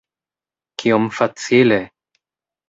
Kiom facile!